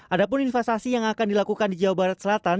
ada pun investasi yang akan dilakukan di jawa barat selatan